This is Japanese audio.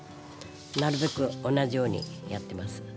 なるべく同じようにやってます。